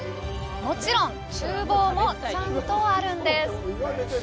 もちろん厨房もちゃんとあるんです。